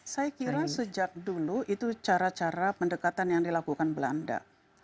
saya kira sejak dulu itu cara cara pendekatan yang dilakukan belanda